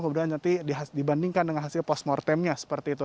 kemudian nanti dibandingkan dengan hasil posmortemnya seperti itu